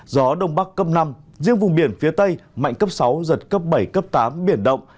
gió đông bắc cấp năm riêng vùng biển phía tây mạnh cấp sáu giật cấp bảy cấp tám biển động